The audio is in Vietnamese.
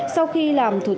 sau khi làm thuật